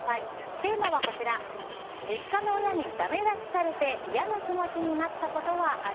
テーマは実家の親にダメ出しされて嫌な気持ちになったことはある？